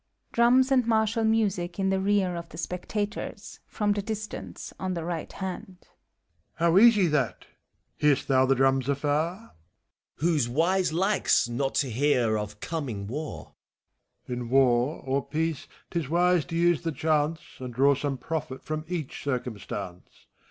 (Drums and martial music in the rear of the spectators, from the distance, on the right hand,) MBPHISTOPHBLES. How easy, that! — ^Hear'st thou the drums afarf FAUST. Who's wise likes not to hear of coming war. MEPHI8T0PHE14BS. In War or Peace, 't is wise to use the chance, And draw some profit from each eircuiostance.